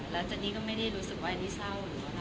แล้วเจนนี่ก็ไม่ได้รู้สึกว่าอันนี้เศร้าหรือว่า